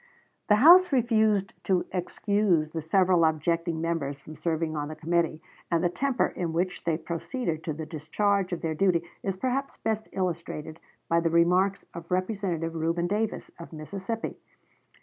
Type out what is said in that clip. The House refused to excuse the several objecting members from serving on the committee; and the temper in which they proceeded to the discharge of their duty is perhaps best illustrated by the remarks of Representative Reuben Davis, of Mississippi.